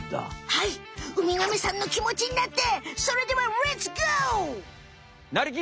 はいウミガメさんのきもちになってそれではレッツゴー！